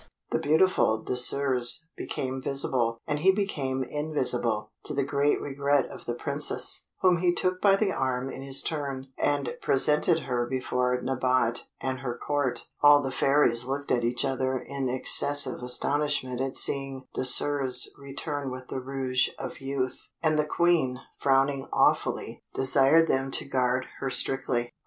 The beautiful Désirs became visible, and he became invisible, to the great regret of the Princess, whom he took by the arm in his turn, and presented her before Nabote and her Court. All the fairies looked at each other in excessive astonishment at seeing Désirs return with the Rouge of Youth, and the Queen, frowning awfully, desired them to guard her strictly.